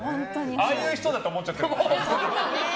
ああいう人だって思っちゃってるから。